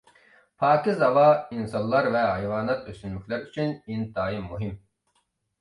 پاكىز ھاۋا ئىنسانلار ۋە ھايۋانات، ئۆسۈملۈكلەر ئۈچۈن ئىنتايىن مۇھىم.